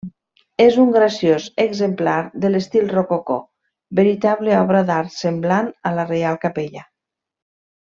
És un graciós exemplar de l'estil rococó, veritable obra d'art semblant a la Real Capella.